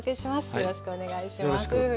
よろしくお願いします。